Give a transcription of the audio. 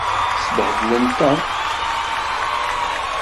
Sbehdlen Tom.